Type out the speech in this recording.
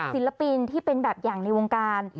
ศิลปินที่เป็นแบบอย่างในวงการ